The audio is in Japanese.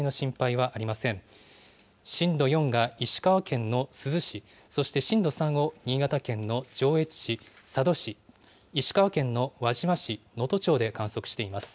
震度４が石川県の珠洲市、そして震度３を新潟県の上越市、佐渡市、石川県の輪島市能登町で観測しています。